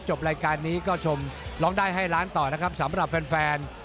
จบรายการนี้ก็ชมร้องได้ให้ล้านต่อนะครับสำหรับแฟน